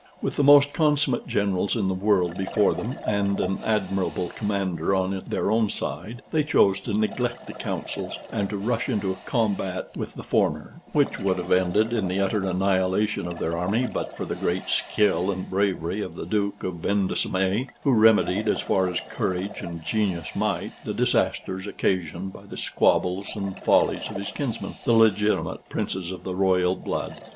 With the most consummate generals in the world before them, and an admirable commander on their own side, they chose to neglect the councils, and to rush into a combat with the former, which would have ended in the utter annihilation of their army but for the great skill and bravery of the Duke of Vendosme, who remedied, as far as courage and genius might, the disasters occasioned by the squabbles and follies of his kinsmen, the legitimate princes of the blood royal.